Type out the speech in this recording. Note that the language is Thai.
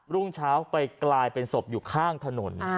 รุ่งเช้าไปกลายเป็นศพอยู่ข้างถนน